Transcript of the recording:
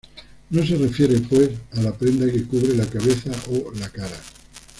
No se refiere, pues, a la prenda que cubre la cabeza o la cara.